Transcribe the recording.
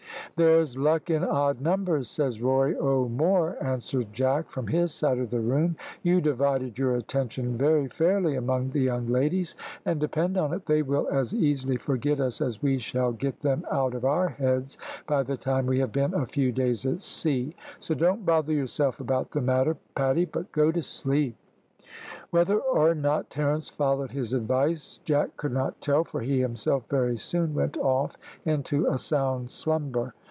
"`There's luck in odd numbers, says Rory O'More,'" answered Jack, from his side of the room. "You divided your attention very fairly among the young ladies, and depend on it they will as easily forget us as we shall get them out of our heads, by the time we have been a few days at sea; so don't bother yourself about the matter, Paddy, but go to sleep." Whether or not Terence followed his advice Jack could not tell, for he himself very soon went off into a sound slumber.